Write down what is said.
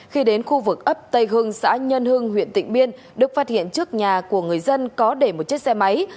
khi đến khu vực ấp tây hưng xã nhân hưng huyện tịnh biên đức phát hiện trước nhà của người dân có để một chiếc xe máy